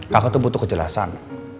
kakak itu butuh kejelasan